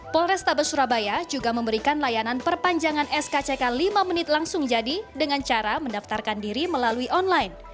polrestabes surabaya juga memberikan layanan perpanjangan skck lima menit langsung jadi dengan cara mendaftarkan diri melalui online